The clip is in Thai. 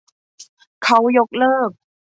เค้ายกเลิก